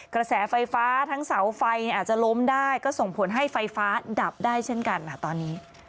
กระแสไฟฟ้าทั้งเสาไฟอาจจะล้มได้ก็ส่งผลให้ไฟฟ้าดับได้เช่นกันตอนนี้